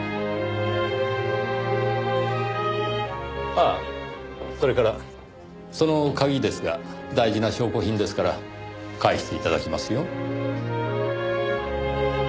ああそれからその鍵ですが大事な証拠品ですから返して頂きますよ。